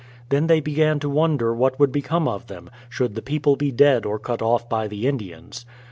They then began to wonder what would become of them, should the people be dead or cut off by the Indians.